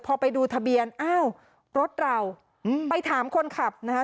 พอไปดูทะเบียนอ้าวรถเราไปถามคนขับนะคะ